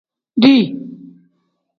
Dii.